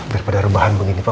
daripada rebahan begini pak